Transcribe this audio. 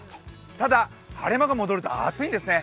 ただ、晴れ間が戻ると暑いんですね